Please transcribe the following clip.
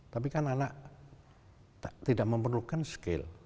tapi kan anak tidak memerlukan skill